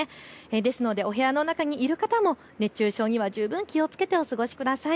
ですので部屋の中にいる方も熱中症には十分気をつけてお過ごしください。